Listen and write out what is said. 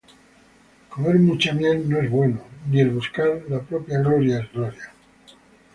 Comer mucha miel no es bueno: Ni el buscar la propia gloria es gloria.